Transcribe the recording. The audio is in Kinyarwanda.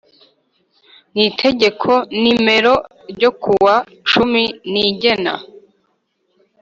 n Itegeko nimero ryo kuwa cumi rigena